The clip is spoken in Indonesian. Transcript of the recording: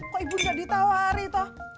kok ibu gak ditawari toh